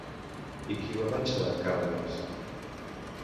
I qui va vèncer a Càl·lies?